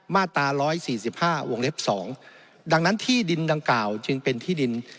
มาตราร้อยสี่สิบห้าวงเล็บสองดังนั้นที่ดินดังกล่าวจึงเป็นที่ดิน